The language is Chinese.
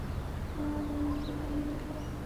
钻光鱼科是辐鳍鱼纲巨口鱼目的其中一科。